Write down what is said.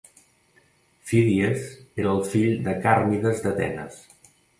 Fídies era el fill de Càrmides d'Atenes.